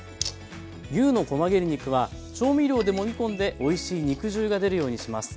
牛のこま切れ肉は調味料でもみ込んでおいしい肉汁が出るようにします。